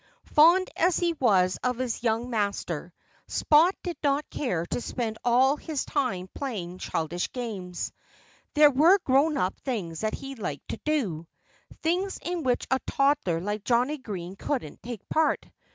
Fond as he was of his young master, Spot did not care to spend all his time playing childish games. There were grown up things that he liked to do things in which a toddler like Johnnie Green couldn't take part.